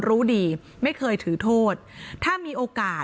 หนูจะให้เขาเซอร์ไพรส์ว่าหนูเก่ง